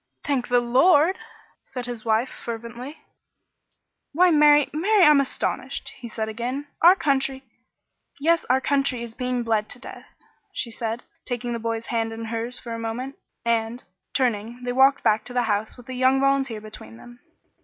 "Thank the Lord!" said his wife, fervently. "Why, Mary Mary I'm astonished!" he said again. "Our country " "Yes, 'Our Country' is being bled to death," she said, taking the boy's hand in hers for a moment; and, turning, they walked back to the house with the young volunteer between them.